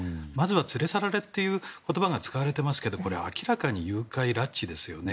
連れ去られっていう言葉が使われていますけどこれは明らかに誘拐・拉致ですよね。